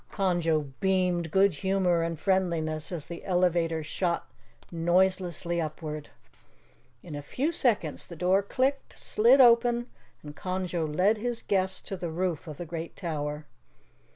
Ho, ho, ho, ho, he, he, he!" Conjo beamed good humor and friendliness as the elevator shot noiselessly upward. In a few seconds the door clicked, slid open, and Conjo led his guests to the roof of the great tower.